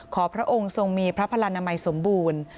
พระองค์ทรงมีพระพลานามัยสมบูรณ์